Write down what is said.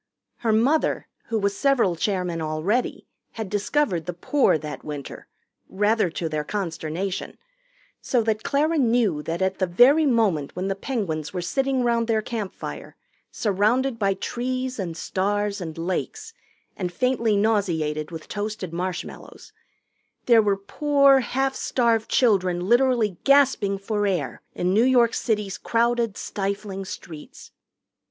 Her mother, who was several chairmen already, had discovered the Poor that winter rather to their consternation so that Clara knew that at the very moment when the Penguins were sitting round their campfire, surrounded by trees and stars and lakes, and faintly nauseated with toasted marshmallows, there were poor, half starved children literally gasping for air in New York City's crowded, stifling streets.